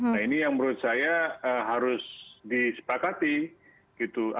nah ini yang menurut saya harus disepakati gitu